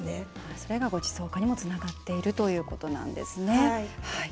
それが、ごちそう化にもつながっているということなんですね。